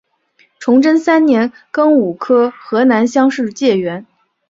崇祯三年庚午科河南乡试解元。